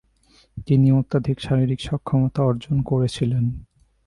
তিনি অত্যধিক শারীরিক সক্ষমতা অর্জন করেছিলেন।